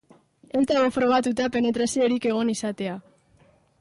Ez dago frogatuta penetraziorik egon izatea.